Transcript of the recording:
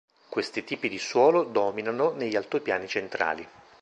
Questi tipi di suolo dominano negli altopiani centrali.